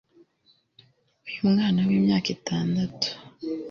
Uyu mwana w'imyaka itandatu